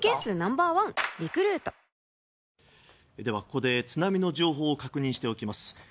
ではここで津波の情報を確認しておきます。